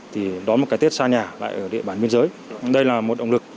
có một cái tết thật vui vẻ và đầm ấm